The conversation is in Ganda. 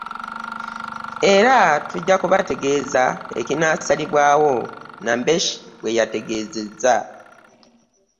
Era tujja kubategeeza ekinaasalibwawo. Nambeshe bw'ategeezezza.